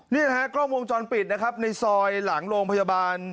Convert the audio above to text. นี่นะฮะกล้องวงจรปิดนะครับในซอยหลังโรงพยาบาล